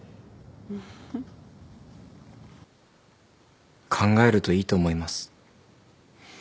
ウフ考えるといいと思います。